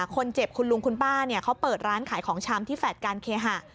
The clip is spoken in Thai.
คนเจ็บคุณลุงคุณป้าเขาเปิดร้านขายของชำที่แฟลตการเคหะ